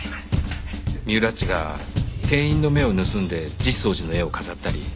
三浦っちが店員の目を盗んで実相寺の絵を飾ったり。